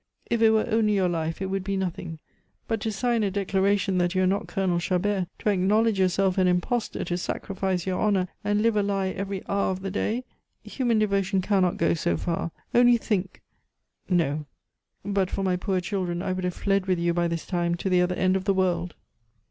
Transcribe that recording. If it were only your life, it would be nothing; but to sign a declaration that you are not Colonel Chabert, to acknowledge yourself an imposter, to sacrifice your honor, and live a lie every hour of the day! Human devotion cannot go so far. Only think! No. But for my poor children I would have fled with you by this time to the other end of the world."